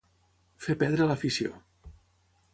Fer perdre l'afició.